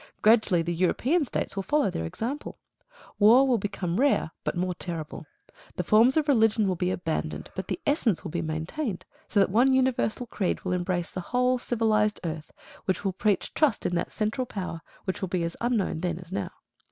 Gradually the European States will follow their example. War will become rare, but more terrible. The forms of religion will be abandoned, but the essence will be maintained; so that one universal creed will embrace the whole civilised earth, which will preach trust in that central power, which will be as unknown then as now.